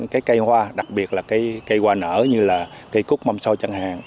cái cây hoa đặc biệt là cái cây hoa nở như là cây cút mâm sôi chẳng hạn